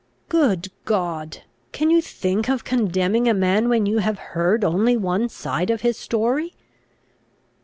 "Good God! Can you think of condemning a man when you have heard only one side of his story?"